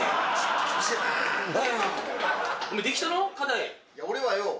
いや俺はよ